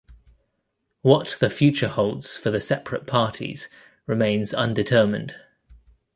What the future holds for the separate parties remains undetermined.